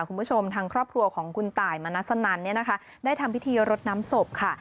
คุณผู้ชมทางครอบครัวของคุณตายมณัสนันเนี่ยนะคะได้ทำพิธีรดน้ำศพค่ะ